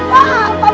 pak pak bos